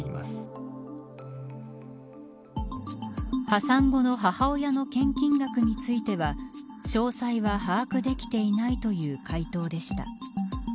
破産後の母親の献金額については詳細は把握できていないという回答でした。